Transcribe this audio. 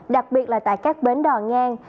đặc biệt là tại các bến đò ngang